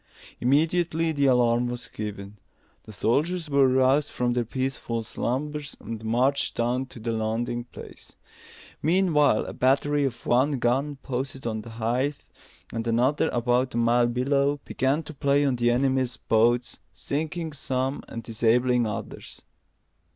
Immediately the alarm was given. The soldiers were roused from their peaceful slumbers, and marched down to the landing place. Meanwhile, a battery of one gun, posted on the heights, and another about a mile below, began to play on the enemy's boats, sinking some and disabling others.